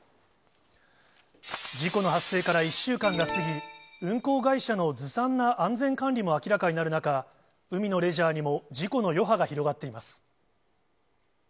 事故の発生から１週間が過ぎ、運航会社のずさんな安全管理も明らかになる中、海のレジャーにも事故の余波が広がっています。